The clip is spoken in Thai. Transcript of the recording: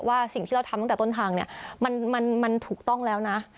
สิ่งที่เราทำตั้งแต่ต้นทางเนี่ยมันถูกต้องแล้วนะ